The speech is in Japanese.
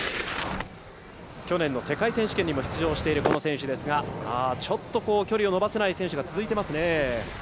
去年の世界選手権にも出場している選手ですがちょっと距離を伸ばせない選手が続いています。